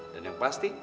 dan yang pasti